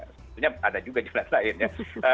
sebetulnya ada juga jalan lain ya